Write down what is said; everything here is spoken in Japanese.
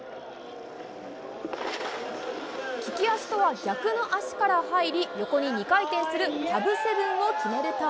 利き足とは逆の足から入り、横に２回転する、キャブセブンを決めると。